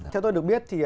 theo tôi được biết thì